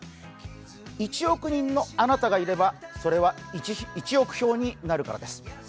１億人のあなたがいれば、それは１億票になるからです。